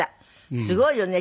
すごいよね。